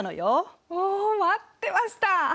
お待ってました！